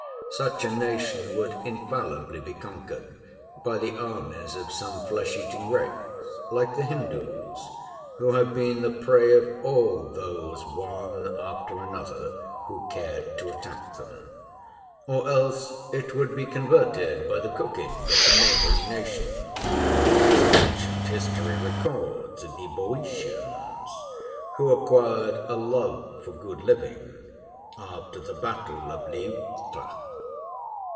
Such a nation would infallibly be conquered by the armies of some flesh eating race (like the Hindoos, who have been the prey of all those, one after another, who cared to attack them), or else it would be converted by the cooking of the neighboring nations, as ancient history records of the Boeotians, who acquired a love for good living after the battle of Leuctra.